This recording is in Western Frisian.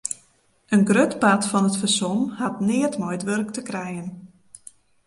In grut part fan it fersom hat neat mei it wurk te krijen.